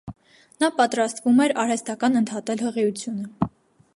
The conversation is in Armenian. Նա պատրաստվում էր արհեստական ընդհատել հղիությունը։